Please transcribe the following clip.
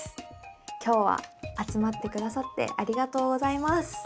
今日は集まってくださってありがとうございます。